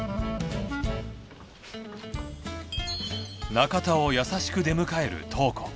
中田を優しく出迎えるトウコ。